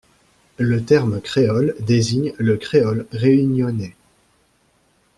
Le terme créole désigne le créole réunionnais.